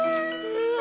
うわ！